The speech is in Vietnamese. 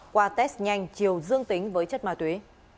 qua test nhanh triều dương tính với chất ma túy